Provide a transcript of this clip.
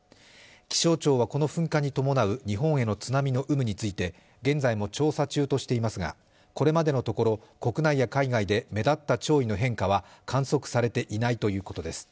気象庁はこの噴火に伴う日本への津波の有無について現在も調査中としていますが、これまでのところ、国内や海外で目立った潮位の変化は観測されていないということです。